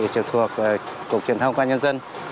trực thuộc cục truyền thông công an nhân dân